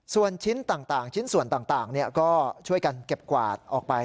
ส่วนชิ้นต่างชิ้นส่วนต่างก็ช่วยกันเก็บกวาดออกไป